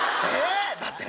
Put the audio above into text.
だってね